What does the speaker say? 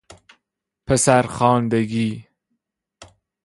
پسر خواندگی